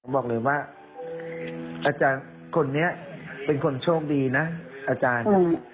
บอกเลยว่าคนอันเนี้ยเป็นคนโชคดีนะอาจารย์